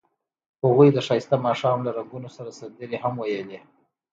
هغوی د ښایسته ماښام له رنګونو سره سندرې هم ویلې.